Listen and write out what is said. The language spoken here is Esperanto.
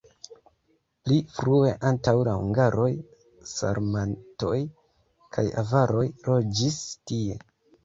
Pli frue antaŭ la hungaroj sarmatoj kaj avaroj loĝis tie.